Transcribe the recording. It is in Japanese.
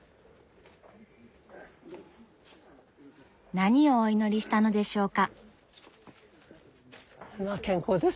何をお祈りしたのでしょうか。